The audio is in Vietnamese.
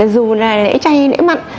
dù là lễ chay lễ mặn